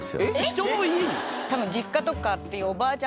人の家に？